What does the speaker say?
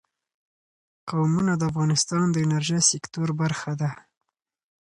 قومونه د افغانستان د انرژۍ سکتور برخه ده.